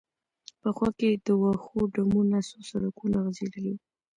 په خوا کې د وښو ډمونه، څو سړکونه غځېدلي و.